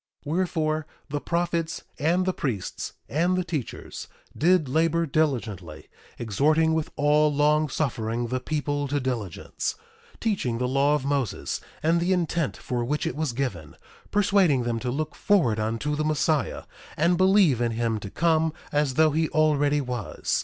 1:11 Wherefore, the prophets, and the priests, and the teachers, did labor diligently, exhorting with all long suffering the people to diligence; teaching the law of Moses, and the intent for which it was given; persuading them to look forward unto the Messiah, and believe in him to come as though he already was.